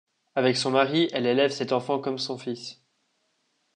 Avec son mari elle élève cet enfant comme son fils.